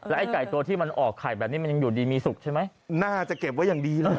ไอ้ไก่ตัวที่มันออกไข่แบบนี้มันยังอยู่ดีมีสุขใช่ไหมน่าจะเก็บไว้อย่างดีล่ะ